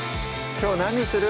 きょう何にする？